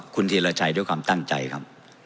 คุณธีรชัยด้วยความตั้งใจครับ